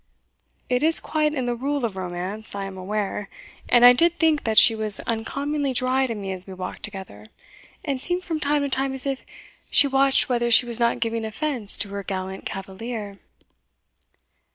It is quite in the rule of romance, I am aware; and I did think that she was uncommonly dry to me as we walked together, and seemed from time to time as if she watched whether she was not giving offence to her gallant cavalier."